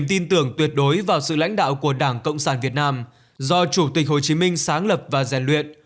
tin tưởng tuyệt đối vào sự lãnh đạo của đảng cộng sản việt nam do chủ tịch hồ chí minh sáng lập và rèn luyện